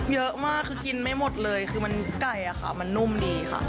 เยอะมากคือกินไม่หมดเลยคือมันไก่อะค่ะมันนุ่มดีค่ะ